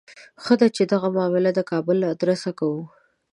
ښه ده چې دغه معامله د کابل له آدرسه کوو.